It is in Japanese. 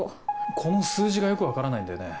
この数字がよく分からないんだよね。